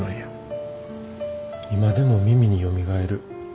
今でも耳によみがえる。